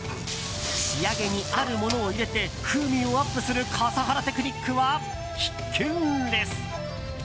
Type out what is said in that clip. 仕上げに、あるものを入れて風味をアップする笠原テクニックは必見です。